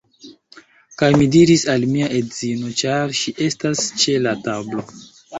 Kaj mi diris al mia edzino, ĉar ŝi estas ĉe la tablo: